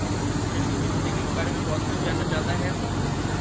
ارسطو کی زندگی کے بارے میں بہت کم جانا جاتا ہے